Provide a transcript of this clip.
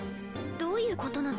どういうことなの？